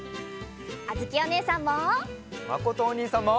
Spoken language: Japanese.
あづきおねえさんも！